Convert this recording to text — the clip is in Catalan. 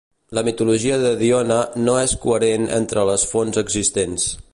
La mitologia de Dione no és coherent entre les fonts existents.